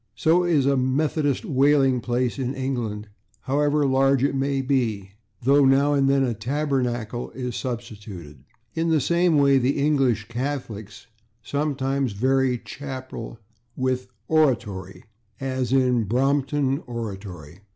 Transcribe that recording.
So is a Methodist wailing place in England, however large it may be, though now and then /tabernacle/ is substituted. In the same way the English Catholics sometimes vary /chapel/ with /oratory/, as in /Brompton Oratory